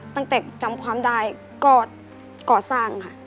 ตั้งแต่จำความดายก็ก่อสร้างค่ะ